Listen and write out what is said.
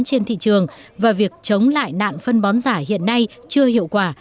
trên thị trường và việc chống lại nạn phân bón giả hiện nay chưa hiệu quả